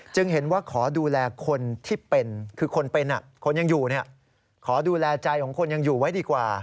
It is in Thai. เห็นว่าขอดูแลคนที่เป็นคือคนเป็นคนยังอยู่ขอดูแลใจของคนยังอยู่ไว้ดีกว่า